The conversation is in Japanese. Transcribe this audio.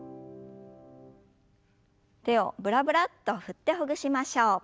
手をブラブラッと振ってほぐしましょう。